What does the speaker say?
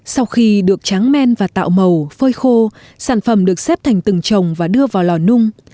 sau khi được tráng men và tạo màu phơi khô sản phẩm được xếp thành từng trồng và đưa vào lò nung